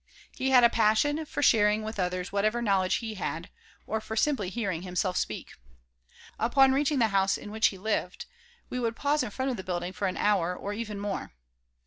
He had a passion for sharing with others whatever knowledge he had, or simply for hearing himself speak. Upon reaching the house in which he lived we would pause in front of the building for an hour or even more.